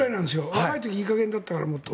若い時いい加減だったから。